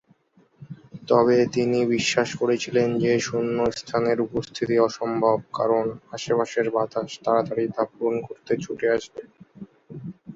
তবে তিনি বিশ্বাস করেছিলেন যে শূন্যস্থানের উপস্থিতি অসম্ভব কারণ আশেপাশের বাতাস তাড়াতাড়ি তা পূরণ করতে ছুটে আসবে।